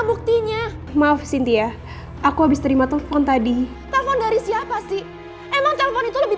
buktinya maaf sintia aku habis terima telepon tadi telpon dari siapa sih emang telepon itu lebih